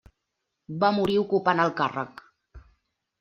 Va morir ocupant el càrrec.